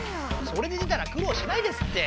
それで出たらくろうしないですって。